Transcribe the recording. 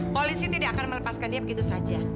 polisi tidak akan melepaskan dia begitu saja